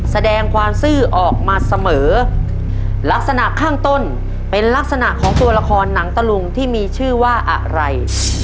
แสดงความซื่อออกมาเสมอลักษณะข้างต้นเป็นลักษณะของตัวละครหนังตะลุงที่มีชื่อว่าอะไร